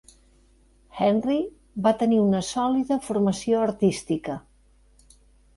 Henry va tenir una sòlida formació artística.